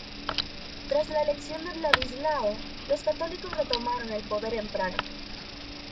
Tras la elección de Vladislao, los católicos retomaron el poder en Praga.